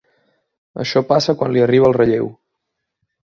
Això passa quan li arriba el relleu.